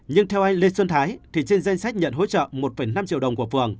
nhưng theo anh lê xuân thái thì trên danh sách nhận hỗ trợ một năm triệu đồng của phường